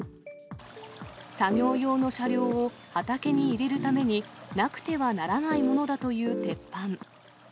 作業用の車両を畑に入れるために、なくてはならないものだという鉄板。